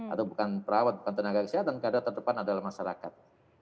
atau bukan perawat bukan tenaga kesehatan karena terdepan adalah masyarakat